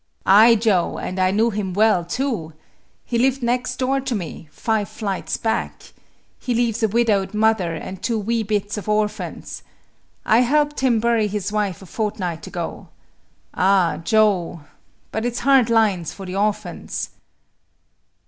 "Aye, Joe, and I knew him well, too! He lived next door to me, five flights back. He leaves a widowed mother and two wee bits of orphans. I helped him bury his wife a fortnight ago. Ah, Joe! but it's hard lines for the orphans."